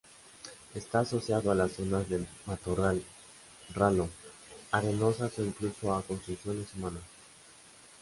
Está asociado a las zonas de matorral ralo, arenosas o incluso a construcciones humanas.